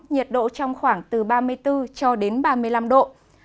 nhiệt độ trong khoảng từ ba mươi bốn ba mươi năm độ